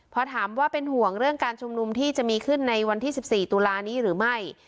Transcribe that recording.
พอถามว่าเป็นห่วงเรื่องการชุมนุมที่จะมีขึ้นในวันที่๑๔ตุลานี้หรือไม่